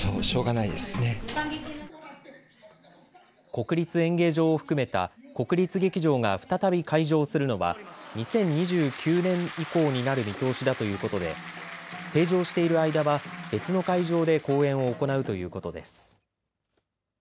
国立演芸場を含めた国立劇場が再び開場するのは２０２９年以降になる見通しだということで閉場している間は別の会場で公演を行うということです。